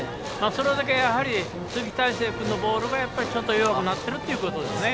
それだけ、鈴木泰成君のボールがちょっと弱くなっているということですね。